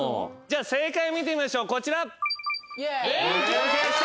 正解見てみましょうこちら。